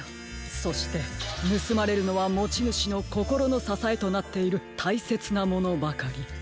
そしてぬすまれるのはもちぬしのこころのささえとなっているたいせつなものばかり。